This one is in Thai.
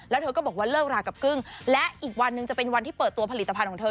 แล้วเธอก็บอกว่าเลิกรากับกึ้งและอีกวันหนึ่งจะเป็นวันที่เปิดตัวผลิตภัณฑ์ของเธอ